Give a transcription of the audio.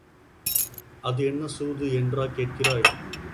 அது என்ன சூது, என்றா கேட்கிறாய்?